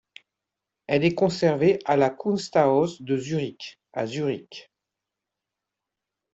Elle est conservée à la Kunsthaus de Zurich, à Zurich.